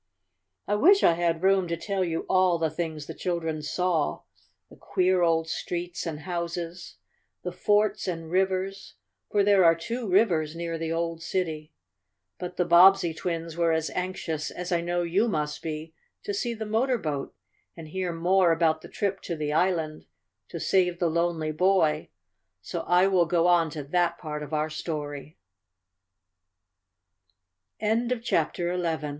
I wish I had room to tell you all the things the children saw the queer old streets and houses, the forts and rivers, for there are two rivers near the old city. But the Bobbsey twins were as anxious as I know you must be to see the motor boat, and hear more about the trip to the island to save the lonely boy, so I will go on to that part of our story. CHAPTER XII THE DEEP BLUE SEA "Glad to see you! Glad to see you! Come right on board!"